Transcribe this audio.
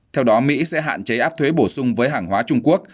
theo đó mỹ sẽ hạn chế áp thuế bổ sung với hàng hóa trung quốc